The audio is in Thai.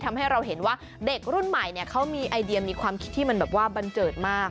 ทำให้เราเห็นว่าเด็กรุ่นใหม่เขามีไอเดียมีความคิดที่มันแบบว่าบันเจิดมาก